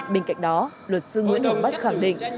bên cạnh đó luật sư nguyễn hồng bách khẳng định